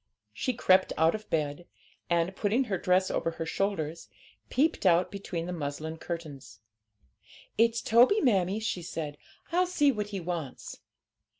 She crept out of bed, and, putting her dress over her shoulders, peeped out between the muslin curtains. 'It's Toby, mammie,' she said; 'I'll see what he wants.'